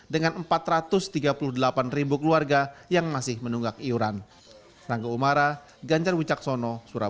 dengan empat ratus tiga puluh delapan ribu keluarga yang masih menunggak iuran